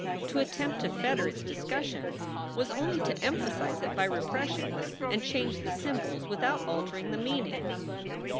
To attempt to fetter its discussion was only to emphasize it by repression and change the symbols without altering the meaning.